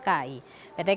pertama tiket kereta api